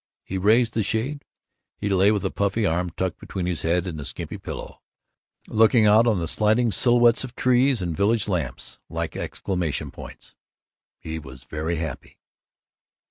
He raised the shade; he lay with a puffy arm tucked between his head and the skimpy pillow, looking out on the sliding silhouettes of trees, and village lamps like exclamation points. He was very happy.